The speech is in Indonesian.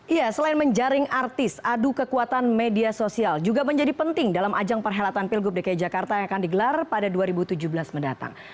iya selain menjaring artis adu kekuatan media sosial juga menjadi penting dalam ajang perhelatan pilgub dki jakarta yang akan digelar pada dua ribu tujuh belas mendatang